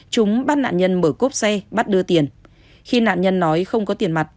chúng bắt nạn nhân mở cốp xe bắt đưa tiền